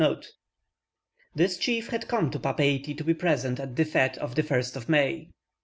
This chief had come to Papeiti to be present at the fete of the 1st of May.